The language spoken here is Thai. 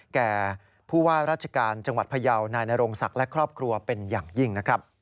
แก่ผู้ว่าราชการจังหวัดพยาวนายนโรงศักดิ์และครอบครัวเป็นอย่างยิ่งนะครับ